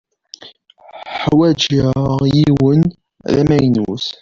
Ḥwajeɣ yiwen d amaynut.